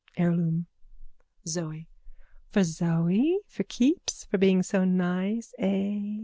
Heirloom. ZOE: For Zoe? For keeps? For being so nice, eh?